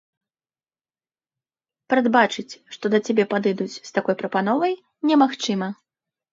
Прадбачыць, што да цябе падыдуць з такой прапановай, немагчыма.